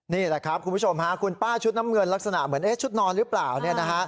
นี่แหละครับคุณผู้ชมฮะคุณป้าชุดน้ำเงินลักษณะเหมือนชุดนอนหรือเปล่าเนี่ยนะฮะ